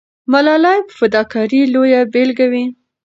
ملالۍ به د فداکارۍ لویه بیلګه وي.